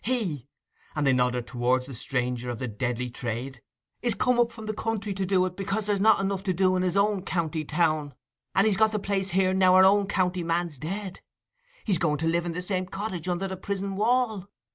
He' (and they nodded towards the stranger of the deadly trade) 'is come from up the country to do it because there's not enough to do in his own county town, and he's got the place here now our own county man's dead; he's going to live in the same cottage under the prison wall.